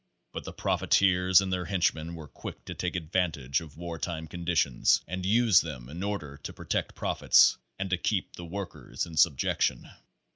But the profiteers and their henchmen were quick to take advantage of wartime conditions and use them in order to protect profits, and to keep the workers in subjection.